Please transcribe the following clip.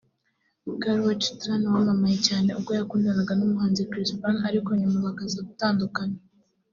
Karrueche Tran wamamaye cyane ubwo yakundanaga n’umuhanzi Chris Brown ariko nyuma bakazagutandukana